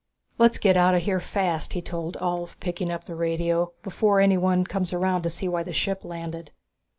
"Let's get out of here fast," he told Ulv, picking up the radio, "before anyone comes around to see why the ship landed."